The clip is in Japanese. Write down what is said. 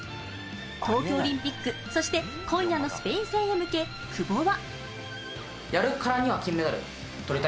東京オリンピック、そして今夜のスペイン戦へ向け久保は。